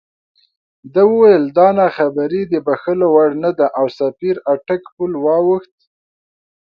ده وویل دا ناخبري د بښلو وړ نه ده او سفیر اټک پُل واوښت.